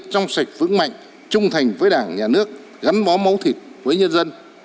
trong sạch vững mạnh trung thành với đảng nhà nước gắn bó máu thịt với nhân dân